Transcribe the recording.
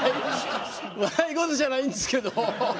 笑い事じゃないんですけど。